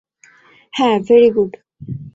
হ্যাঁ, very good.